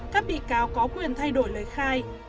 các bị cáo có quyền thay đổi lời khai